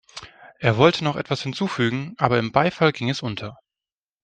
Er wollte noch etwas hinzufügen, aber im Beifall ging es unter.